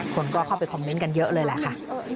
คนก็เข้าไปคอมเมนต์กันเยอะเลยแหละค่ะ